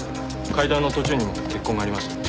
階段の途中にも血痕がありました。